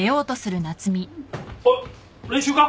おっ練習か？